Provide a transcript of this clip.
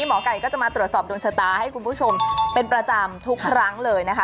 หมอไก่ก็จะมาตรวจสอบดวงชะตาให้คุณผู้ชมเป็นประจำทุกครั้งเลยนะคะ